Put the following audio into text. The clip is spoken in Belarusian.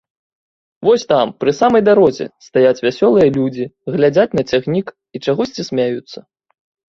Вось там, пры самай дарозе, стаяць вясёлыя людзі, глядзяць на цягнік і чагосьці смяюцца.